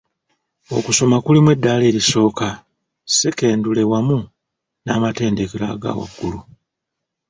"Okusoma kulimu eddaala erisooka, ssekendule wamu n’amatendekero agaawaggulu."